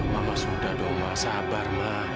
mama sudah dong ma sabar ma